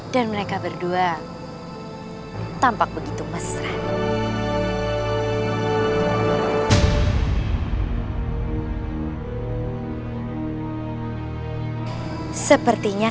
dan mereka berdua tampak begitu mesra